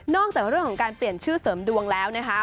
จากเรื่องของการเปลี่ยนชื่อเสริมดวงแล้วนะคะ